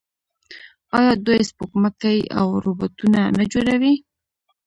آیا دوی سپوږمکۍ او روباټونه نه جوړوي؟